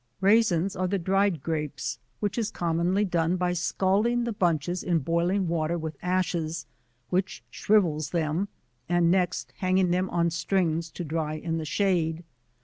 Raisins are the dried Grapes, which is commonly done by scalding the bunches in boiling water with ashes, which shrivels them, and next hanging them on strings to dry in the shade.